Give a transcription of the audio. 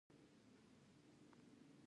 د پکتیا په څمکنیو کې د سمنټو مواد شته.